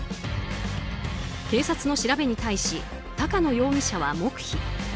警察の調べに対し高野容疑者は黙秘。